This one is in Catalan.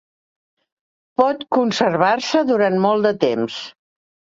Pot conservar-se durant molt de temps.